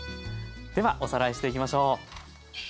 ではおさらいしていきましょう。